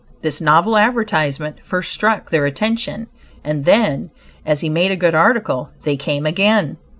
This novel advertisement first struck their attention, and then, as he made a good article, they came again.